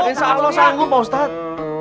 insya allah sanggup ustadz